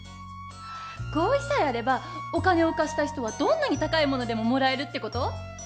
合意さえあればお金を貸した人はどんなに高いものでももらえるってこと？